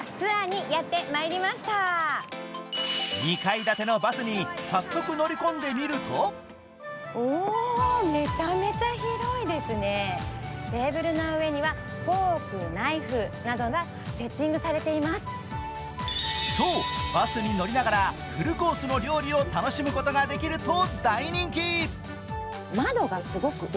２階建てのバスに早速乗り込んでみるとそう、バスに乗りながらフルコースの料理を楽しむことができると大人気。